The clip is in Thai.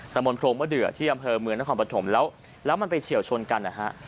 มนตโรงมะเดือที่อำเภอเมืองนครปฐมแล้วมันไปเฉียวชนกันนะฮะ